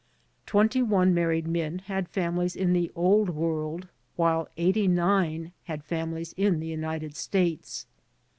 Twen ty one married men had families in the Old World, while 89 had families in the United States.